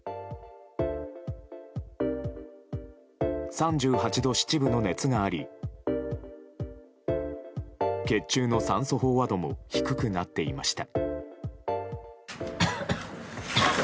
３８度７分の熱があり血中の酸素飽和度も低くなっていました。